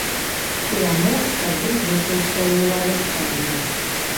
Пераможца вызначыўся ў авертайме.